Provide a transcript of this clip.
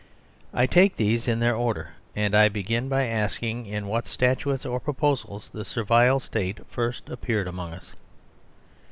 I take these in their order, and I begin by asking in what statutes or proposals the Servile State first appeared among us.